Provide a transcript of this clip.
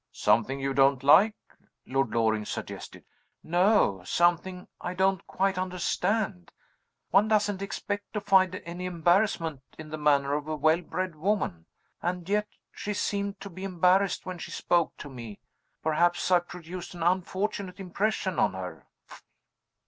"Something you don't like?" Lord Loring suggested. "No; something I don't quite understand. One doesn't expect to find any embarrassment in the manner of a well bred woman. And yet she seemed to be embarrassed when she spoke to me. Perhaps I produced an unfortunate impression on her."